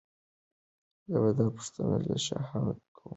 زه به دا پوښتنه له شاهانو کوم.